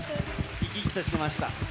生き生きとしてました。